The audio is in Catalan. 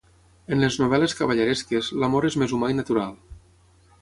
En les novel·les cavalleresques, l'amor és més humà i natural.